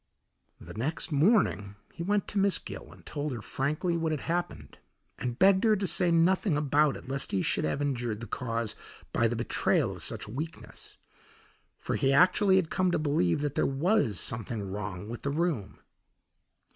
The next morning he went to Miss Gill and told her frankly what had happened, and begged her to say nothing about it lest he should have injured the cause by the betrayal of such weakness, for he actually had come to believe that there was something wrong with the room.